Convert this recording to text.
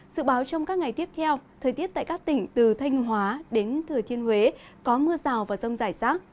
dự báo trong các ngày tiếp theo thời tiết tại các tỉnh từ thanh hóa đến thừa thiên huế có mưa rào và rông rải rác